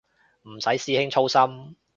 唔使師兄操心